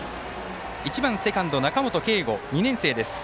１番セカンド、中本佳吾２年生です。